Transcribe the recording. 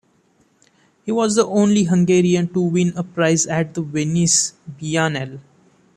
He was the only Hungarian to win a prize at the Venice Biennale.